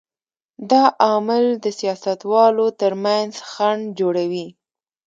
دا عامل د سیاستوالو تر منځ خنډ جوړوي.